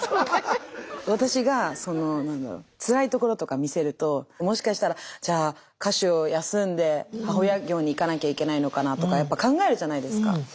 私がつらいところとか見せるともしかしたらじゃあ歌手を休んで母親業にいかなきゃいけないのかなとかやっぱ考えるじゃないですか。